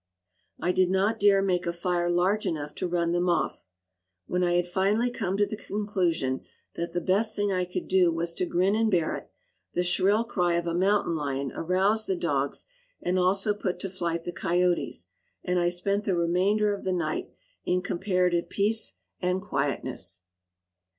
I did not dare make a fire large enough to run them off. When I had finally come to the conclusion that the best thing I could do was to grin and bear it, the shrill cry of a mountain lion aroused the dogs and also put to flight the coyotes, and I spent the remainder of the night in comparative peace and quietness.